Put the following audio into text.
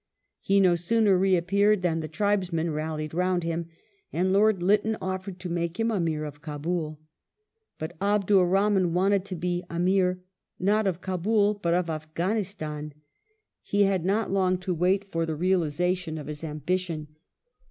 He no sooner reappeared than the tribes men rallied round him, and Lord Lytton offered to make him A Arair of Kabul. But Abdur Rahman wanted to be Amir, not of Kabul but of Afghanistan. He had not to wait long for the realization of his ambition.